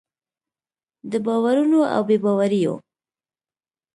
د باورونو او بې باوریو